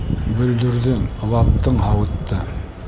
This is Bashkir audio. — Бөлдөрҙөң, ваттың һауытты!